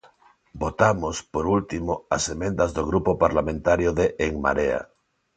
Votamos, por último, as emendas do Grupo Parlamentario de En Marea.